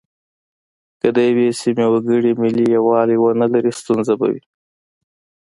که د یوې سیمې وګړي ملي یووالی ونه لري ستونزه به وي.